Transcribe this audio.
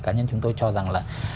cá nhân chúng tôi cho rằng là